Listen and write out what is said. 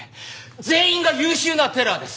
全員が優秀なテラーです。